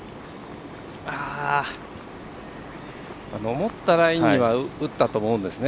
思ったラインには打ったと思うんですよね。